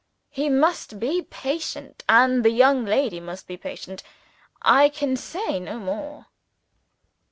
He must be patient, and the young lady must be patient. I can say no more."